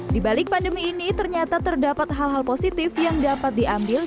di balik pandemi ini ternyata terdapat hal hal positif yang dapat diambil